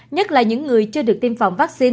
nhất là những người chưa được tiêm phòng vaccine